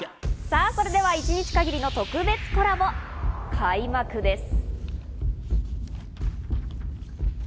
さぁそれでは一日限りの特別コラボ、開幕です。